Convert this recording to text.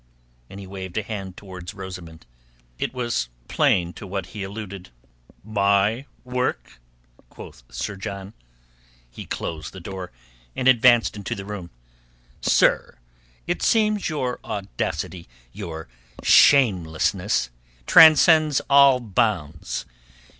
And he waved a hand towards Rosamund. It was plain to what he alluded. "My work?" quoth Sir John. He closed the door, and advanced into the room. "Sir, it seems your audacity, your shamelessness, transcends all bounds.